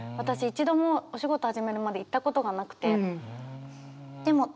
一度もお仕事始めるまで行ったことがなくて。